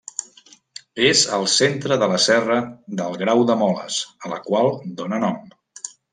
És al centre de la Serra del Grau de Moles, a la qual dóna nom.